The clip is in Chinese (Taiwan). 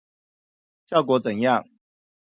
效果怎樣